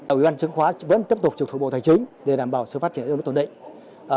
ở ubnd chứng khoán vẫn tiếp tục trực thuộc bộ thành chính để đảm bảo sự phát triển ưu tổn định